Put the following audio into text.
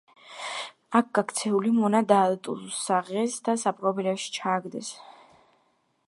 აქ გაქცეული მონა დაატუსაღეს და საპყრობილეში ჩააგდეს.